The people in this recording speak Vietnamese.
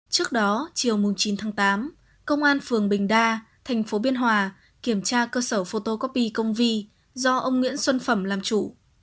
trước đó chiều chín tháng tám công an phường bình đa tp biên hòa kiểm tra cơ sở photocopy công vi do ông nguyễn xuân phẩm làm chủ